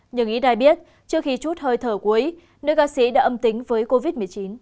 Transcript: nhưng ý đai biết trước khi chút hơi thở cuối nơi ca sĩ đã âm tính với covid một mươi chín